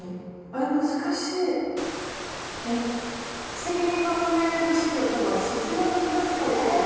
「すてきにハンドメイド」史上多分私いちばん難しいかもしれない。